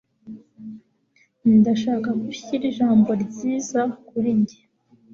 Ndashaka ko unshyira ijambo ryiza kuri njye.